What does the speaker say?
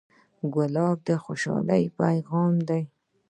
ګلاب د خوشحالۍ پیغام دی.